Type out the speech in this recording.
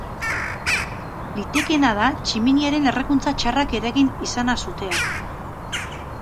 Litekeena da tximiniaren errekuntza txarrak eragin izana sutea.